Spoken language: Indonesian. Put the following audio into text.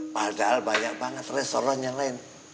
padahal banyak banget restoran yang lain